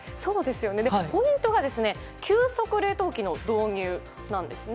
ポイントが、急速冷凍機の導入なんですね。